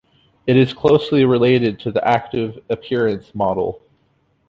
It is closely related to the active appearance model.